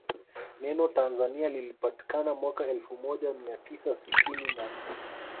Neno Tanzania lilpatikana mwaka elfu moja mia tisa sitini na nne